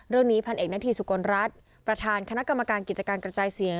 เรื่องนี้พันเอกหน้าที่สุขลรัฐประธานคณะกรรมการกิจการกระจายเสียง